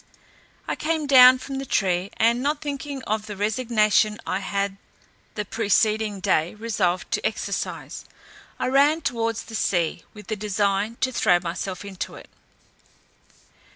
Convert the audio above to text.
I came down from the tree, and, not thinking of the resignation I had the preceding day resolved to exercise, I ran towards the sea, with a design to throw myself into it.